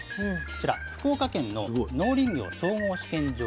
こちら福岡県の農林業総合試験場